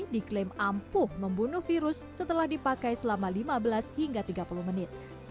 diklaim ampuh membunuh virus setelah dipakai selama lima belas hingga tiga puluh menit